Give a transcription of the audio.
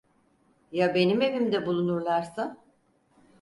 Ya benim evimde bulunursa?